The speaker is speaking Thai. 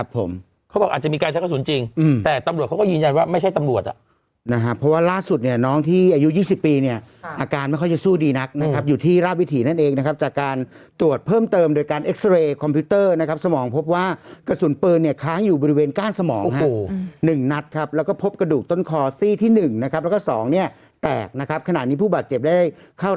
เพราะว่าล่าสุดเนี่ยน้องที่อายุ๒๐ปีเนี่ยอาการไม่ค่อยจะสู้ดีนักนะครับอยู่ที่ราบวิถีนั่นเองนะครับจากการตรวจเพิ่มเติมโดยการเอ็กซ์เรย์คอมพิวเตอร์นะครับสมองพบว่ากระสุนปืนเนี่ยค้างอยู่บริเวณก้านสมอง๑นัดครับแล้วก็พบกระดูกต้นคอซี่ที่๑นะครับแล้วก็๒เนี่ยแตกนะครับขณะนี้ผู้บาดเจ็บได้เข้